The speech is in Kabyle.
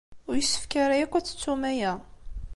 Ur yessefk ara akk ad tettum aya.